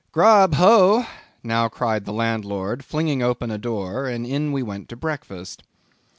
"Grub, ho!" now cried the landlord, flinging open a door, and in we went to breakfast.